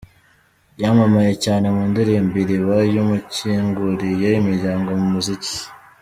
Yamamaye cyane mu ndirimbo 'Iriba' yamukinguriye imiryango mu muziki.